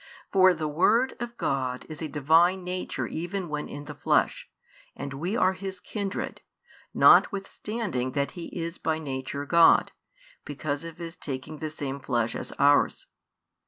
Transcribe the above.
For the Word of God is a Divine Nature even when in the flesh, and we are His kindred, notwithstanding that He is by Nature God, because of His taking the same flesh as ours.